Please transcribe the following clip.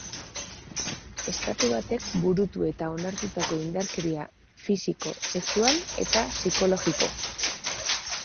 Estatu batek burutu eta onartutako indarkeria fisiko, sexual eta psikologiko.